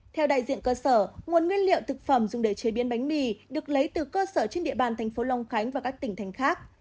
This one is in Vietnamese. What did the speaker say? theo đại diện cơ sở nguồn nguyên liệu thực phẩm dùng để chế biến bánh mì được lấy từ cơ sở trên địa bàn thành phố long khánh và các tỉnh thành khác